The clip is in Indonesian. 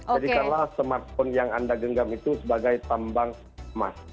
jadi karena smartphone yang anda genggam itu sebagai tambang emas